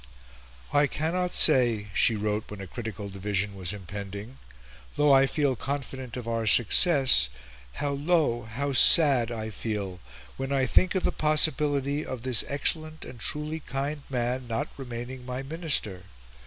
"I cannot say," she wrote when a critical division was impending, "(though I feel confident of our success) how low, how sad I feel, when I think of the possibility of this excellent and truly kind man not remaining my Minister!